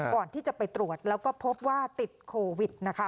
ก่อนที่จะไปตรวจแล้วก็พบว่าติดโควิดนะคะ